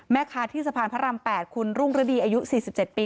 แม่ค้าที่สะพานพระราม๘คุณรุ่งฤดีอายุ๔๗ปี